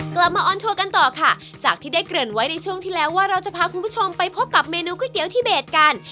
มาออนทัวร์กันต่อค่ะจากที่ได้เกริ่นไว้ในช่วงที่แล้วว่าเราจะพาคุณผู้ชมไปพบกับเมนูก๋วยเตี๋ยวที่เบสกัน